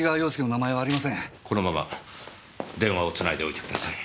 このまま電話をつないでおいてください。